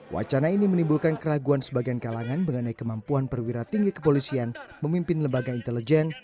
wacana ini menimbulkan keraguan sebagian kalangan mengenai kemampuan perwira tinggi kepolisian memimpin lembaga intelijen